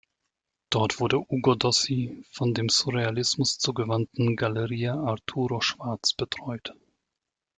Dort wurde Ugo Dossi von der dem Surrealismus zugewandten „Galleria Arturo Schwarz“ betreut.